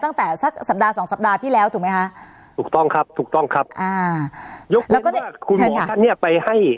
ตั้งแต่สักสัปดาห์สองสัปดาห์ที่แล้วถูกไหมคะถูกต้องครับถูกต้องครับอ่ายกแล้วก็เนี่ยคุณหมอท่านเนี้ยไปให้